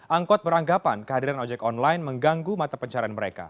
angkot beranggapan kehadiran ojek online mengganggu mata pencarian mereka